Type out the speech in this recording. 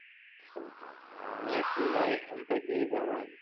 نیکولای هم په همدې باور و.